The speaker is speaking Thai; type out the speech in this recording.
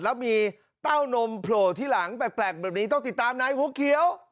แล้วมีเต้านมโผล่ที่หลังแปลกแบบนี้ต้องติดตามในหัวเขียว